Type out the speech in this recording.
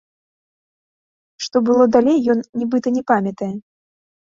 Што было далей, ён, нібыта, не памятае.